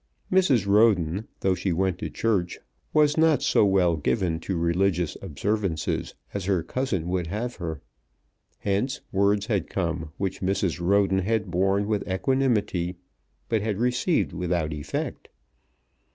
Mrs. Roden, though she went to church, was not so well given to religious observances as her cousin would have her. Hence words had come which Mrs. Roden had borne with equanimity, but had received without effect.